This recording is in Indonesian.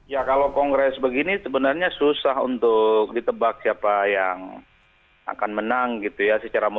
ya kalau kongres begini sebenarnya susah untuk ditebak siapa yang akan menang gitu ya